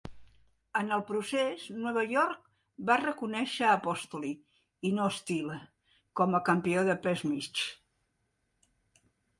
En el procés, Nova York va reconèixer Apostoli, i no Steele, com a campió de pes mig.